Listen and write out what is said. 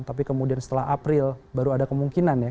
tapi kemudian setelah april baru ada kemungkinan ya